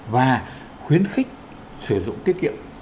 và khuyến khích sử dụng tiết kiệm